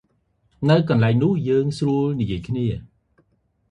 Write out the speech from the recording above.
ទៅកន្លែងនោះយើងស្រួលនិយាយគ្នា ។